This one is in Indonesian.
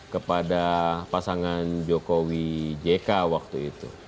kepada pasangan jokowi jk waktu itu